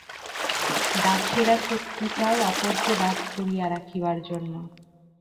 দাসেরা শক্তি চায় অপরকে দাস করিয়া রাখিবার জন্য।